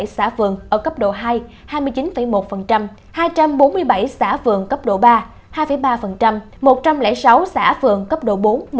ba tám mươi bảy xã vườn ở cấp độ hai hai mươi chín một hai trăm bốn mươi bảy xã vườn cấp độ ba hai ba một trăm linh sáu xã vườn cấp độ bốn một